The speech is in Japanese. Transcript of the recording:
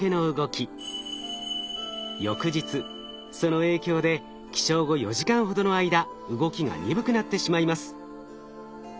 翌日その影響で起床後４時間ほどの間動きが鈍くなってしまいます。